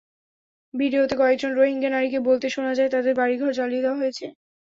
ভিডিওতে কয়েকজন রোহিঙ্গা নারীকে বলতে শোনা যায়, তাঁদের বাড়িঘর জ্বালিয়ে দেওয়া হয়েছে।